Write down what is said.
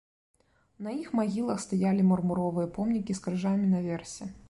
На іх магілах стаялі мармуровыя помнікі з крыжамі наверсе.